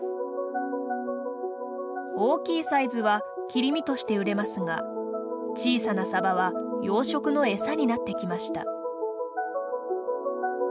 大きいサイズは切り身として売れますが小さなサバは養殖の餌になってきました。